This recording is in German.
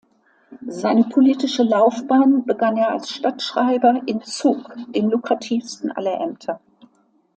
Seine politische Laufbahn begann er als Stadtschreiber in Zug, dem lukrativsten aller Ämter.